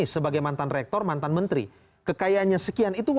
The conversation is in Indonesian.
selain pekerjaan ditarik kamera itu